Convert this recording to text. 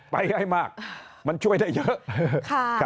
ไปง่ายมากมันช่วยได้เยอะ